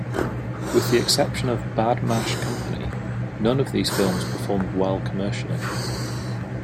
With the exception of "Badmaash Company", none of these films performed well commercially.